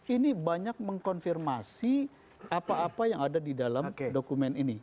ini banyak mengkonfirmasi apa apa yang ada di dalam dokumen ini